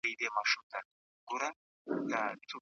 ټول قومونه راته ګران